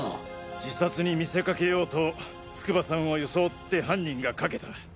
自殺に見せかけようと筑波さんを装って犯人がかけた